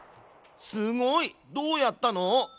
すごいどうやったの？